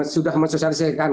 sudah sosialisasi kan